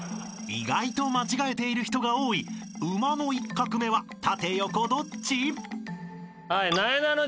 ［意外と間違えている人が多い馬の１画目は縦横どっち？］